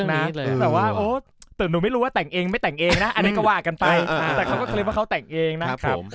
แต่ว่าโอ้แต่หนูไม่รู้ว่าแต่งเองไม่แต่งเองนะกะว่ากันไปก็เขิดว่าเขาแต่งเองนะครับ